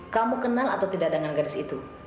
kamu kenal atau tidak dengan garis itu